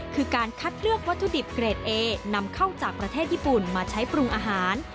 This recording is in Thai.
คือการคัดเลือกวัตถุดิบเกรดเอนำเข้าจากประเทศญี่ปุ่นมาใช้ปรุงอาหาร